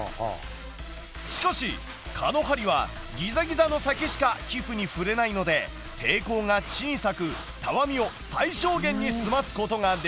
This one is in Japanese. しかし蚊の針はギザギザの先しか皮膚に触れないので抵抗が小さくたわみを最小限に済ますことができる。